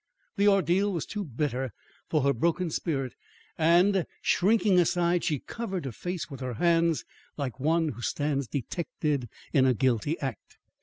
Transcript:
The ordeal was too bitter for her broken spirit and, shrinking aside, she covered her face with her hands like one who stands detected in a guilty act.